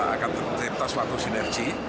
akan terhentas suatu sinergi